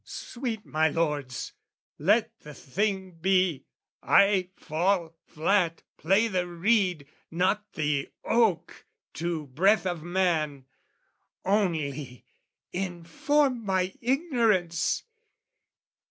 Sweet my lords, let the thing be! I fall flat, Play the reed, not the oak, to breath of man. Only, inform my ignorance!